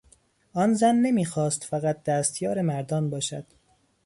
آن زن نمیخواست فقط دستیار مردان باشد.